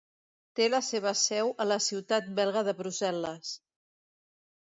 Té la seva seu a la ciutat belga de Brussel·les.